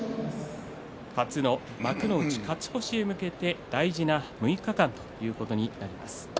初の幕内勝ち越しへ向けて大事な６日間ということになります。